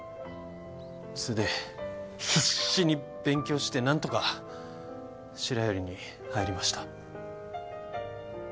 それで必死に勉強して何とか白百合に入りました。